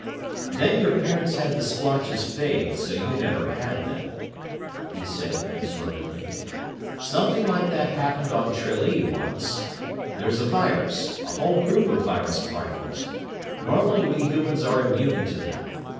"Then your parents had the splotches fade, so you never had them," he said absorbedly. "Something like that happened on Tralee, once! There's a virus, a whole group of virus particles! Normally we humans are immune to them.